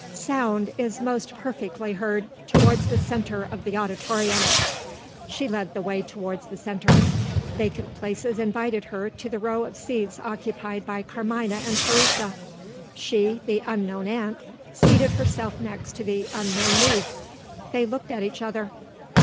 "Sound, sir, is most perfectly heard towards the centre of the auditorium." She led the way towards the centre. Vacant places invited her to the row of seats occupied by Carmina and Teresa. She, the unknown aunt, seated herself next to the unknown niece. They looked at each other.